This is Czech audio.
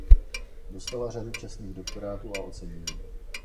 Dostala řadu čestných doktorátů a ocenění.